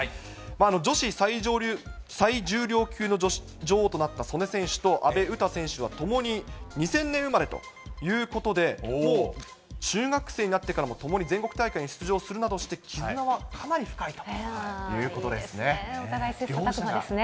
女子最重量級の女子女王となった阿部詩選手はともに、２０００年生まれということで、もう中学生になってからも共に全国大会に出場するなどして、お互い切さたく磨ですね。